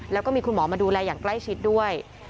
แล้วก็มีคุณหมอมาดูแลอย่างใกล้ชิดด้วย